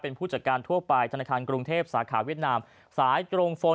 เป็นผู้จัดการทั่วไปธนาคารกรุงเทพสาขาเวียดนามสายตรงโฟน